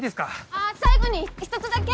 あ最後に１つだけ！